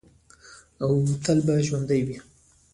او تل به ژوندی وي.